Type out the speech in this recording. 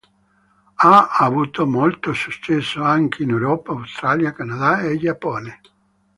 Ha avuto molto successo anche in Europa, Australia, Canada e Giappone.